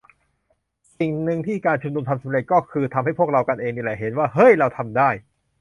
สิ่งนึงที่การชุมนุมทำสำเร็จ ก็คือทำให้พวกเรากันเองนี่แหละ เห็นว่า "เฮ้ย เราทำได้"